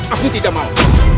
aku tidak mau